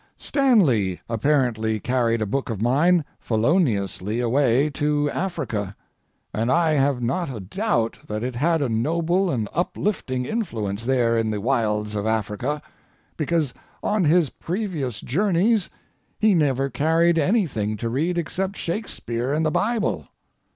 Stanley apparently carried a book of mine feloniously away to Africa, and I have not a doubt that it had a noble and uplifting influence there in the wilds of Africa—because on his previous journeys he never carried anything to read except Shakespeare and the Bible.